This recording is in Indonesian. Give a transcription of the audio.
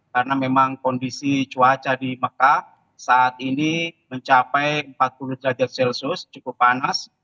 karena memang kondisi cuaca di mekah saat ini mencapai empat puluh derajat celcius cukup panas